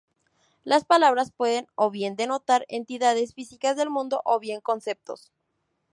Las palabras pueden o bien denotar entidades físicas del mundo, o bien conceptos.